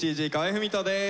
郁人です。